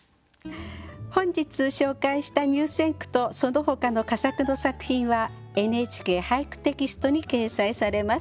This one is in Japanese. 本日紹介した入選句とそのほかの佳作の作品は「ＮＨＫ俳句テキスト」に掲載されます。